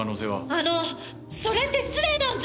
あのそれって失礼なんじゃ！